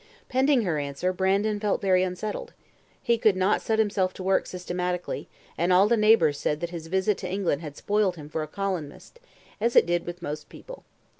Pending her answer, Brandon felt very unsettled. He could not set himself to work systematically, and all the neighbours said that his visit to England had spoiled him for a colonist, as it did with most people.